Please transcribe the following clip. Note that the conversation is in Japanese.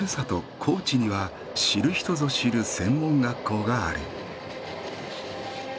高知には知る人ぞ知る専門学校がある。